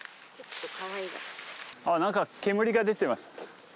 あっ何か煙が出てます。